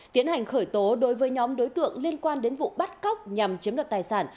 tiến hành khởi tố đối với nhóm đối tượng liên quan đến vụ bắt cóc nhằm chiếm đoạt tài sản